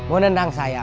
mau nendang saya